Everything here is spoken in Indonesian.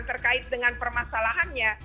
terkait dengan permasalahannya